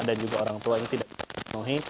dan juga orang tua yang tidak bisa memenuhi